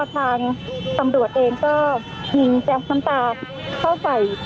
ทางตำรวจก็คิดแจ๊บน้ำตาเข้าใส่